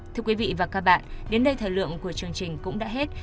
thưa quý vị và các bạn đến đây thời lượng của chương trình cũng đã hết